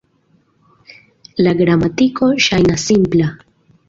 La gramatiko ŝajnas simpla.